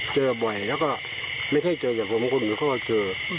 เจอบ่อยแล้วก็ไม่ใช่เจอแบบผมคนมันก็เจอ